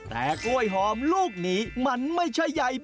แต่กล้วยหอมลูกนี้มันไม่ใช่ยักษ์ยักษ์